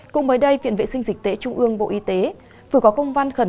cùng mới đây viện vệ sinh dịch tễ trung ương bộ y tế vừa có công văn khẩn